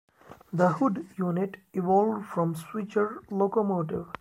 The hood unit evolved from the switcher locomotive.